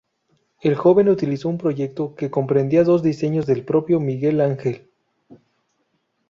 El Joven utilizó un proyecto que comprendía dos diseños del propio Miguel Ángel.